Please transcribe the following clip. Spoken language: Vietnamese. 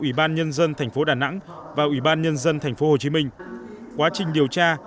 ủy ban nhân dân thành phố đà nẵng và ủy ban nhân dân thành phố hồ chí minh quá trình điều tra